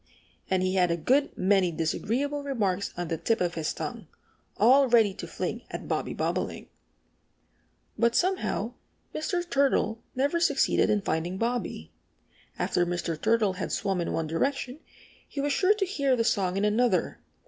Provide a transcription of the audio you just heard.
And he had a good many disagreeable remarks on the tip of his tongue, all ready to fling at Bobby Bobolink. But somehow Mr. Turtle never succeeded in finding Bobby. After Mr. Turtle had swum in one direction he was sure to hear the song in another.